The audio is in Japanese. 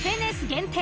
「ＦＮＳ」限定